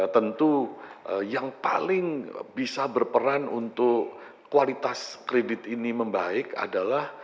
tentu yang paling bisa berperan untuk kualitas kredit ini membaik adalah